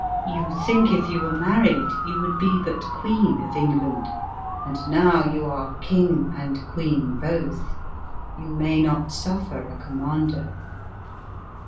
You think if you were married you would be but queen of Eng land ; and now you are king and queen both ; you may not suffer a commander."